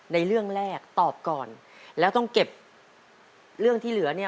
ในเรื่องแรกตอบก่อนแล้วต้องเก็บเรื่องที่เหลือเนี่ย